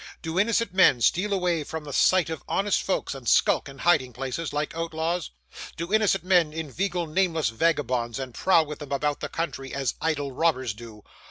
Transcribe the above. Do innocent men steal away from the sight of honest folks, and skulk in hiding places, like outlaws? Do innocent men inveigle nameless vagabonds, and prowl with them about the country as idle robbers do?